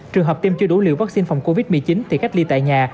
trường hợp tiêm chưa đủ liều vaccine phòng covid một mươi chín thì cách ly tại nhà